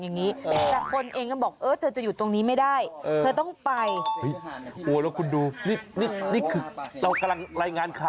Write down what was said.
มันเขมือกเข้าไปไปดูกันค่ะ